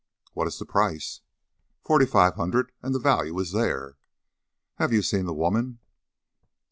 "What is the price?" "Forty five hundred, and the value is there." "Have you seen the woman?"